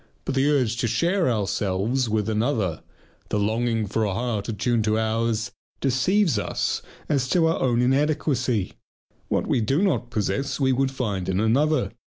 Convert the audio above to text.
But the urge to share ourselves with another, the longing for a heart attuned to ours deceives us as to our own inadequacy. What we do not possess we would find in another.